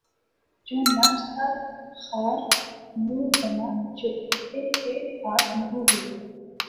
جو نفس تھا خار گلو بنا جو اٹھے تھے ہاتھ لہو ہوئے